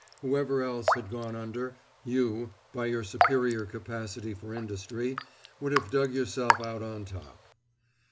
Whoever else had gone under, you by your superior capacity for industry would have dug yourself out on top.